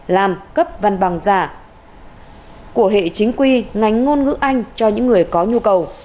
làm cấp văn bằng giả của hệ chính quy ngành ngôn ngữ anh cho những người có nhu cầu